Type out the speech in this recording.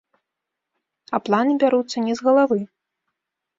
А планы бяруцца не з галавы.